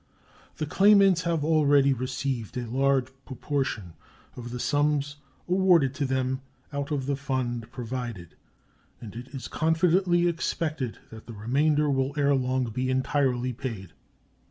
The claimants have already received a large proportion of the sums awarded to them out of the fund provided, and it is confidently expected that the remainder will ere long be entirely paid.